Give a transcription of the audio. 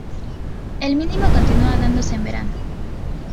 El mínimo continúa dándose en verano.